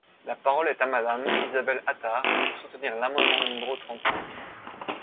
La parole est à Madame Isabelle Attard, pour soutenir l’amendement numéro trente-cinq.